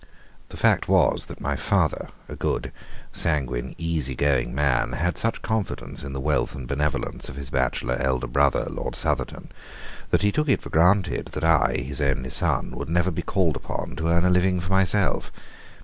The fact was that my father, a good, sanguine, easy going man, had such confidence in the wealth and benevolence of his bachelor elder brother, Lord Southerton, that he took it for granted that I, his only son, would never be called upon to earn a living for myself.